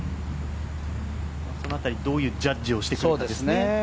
その辺りどういうジャッジをしてくるかですね。